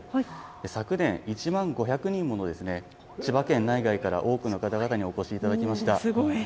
昨年１万５００人もの千葉県内外から多くの方々にお越しいただきました。